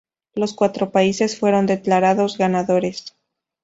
Los cuatro países fueron declarados ganadores.